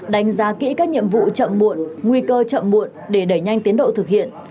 đánh giá kỹ các nhiệm vụ chậm muộn nguy cơ chậm muộn để đẩy nhanh tiến độ thực hiện